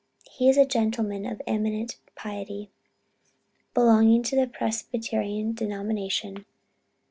He is a gentleman of eminent piety, belonging to the Presbyterian denomination.